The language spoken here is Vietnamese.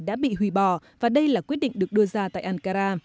đã bị hủy bỏ và đây là quyết định được đưa ra tại ankara